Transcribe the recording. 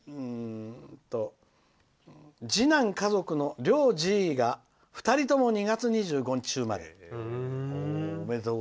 「次男家族の両じいが２人とも２月２５日生まれ。